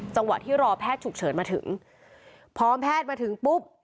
จังหวะที่รอแพทย์ฉุกเฉินมาถึงพอแพทย์มาถึงปุ๊บ